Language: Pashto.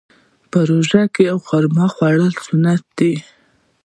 په روژه کې خرما خوړل سنت دي.